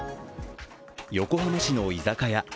横浜市の居酒屋。